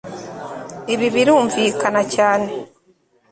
Ibi birumvikana cyane